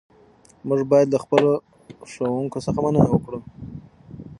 موږ باید له خپلو ښوونکو څخه مننه وکړو.